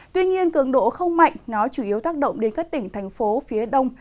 tuy nhiên cường độ không mạnh nó chủ yếu tác động đến các tỉnh thành phố phía đông